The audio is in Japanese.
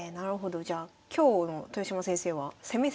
じゃあ今日の豊島先生は攻め攻めということで。